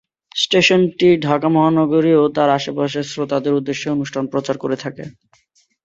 স্টেশনটি ঢাকা মহানগরী ও তার আশেপাশের শ্রোতাদের উদ্দেশ্যে অনুষ্ঠান প্রচার করে থাকে।